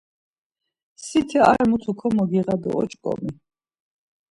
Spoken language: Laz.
Siti ar mutu komogiğa do oç̌ǩomi.